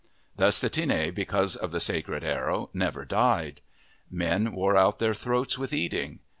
Thus the Tinne, because of the sacred arrow, never died. Men wore out their throats with eating.